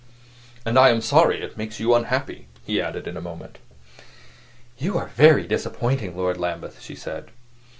"And I am sorry it makes you unhappy," he added in a moment. "You are very disappointing, Lord Lambeth," she said.